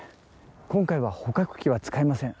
今回は捕獲器は使いません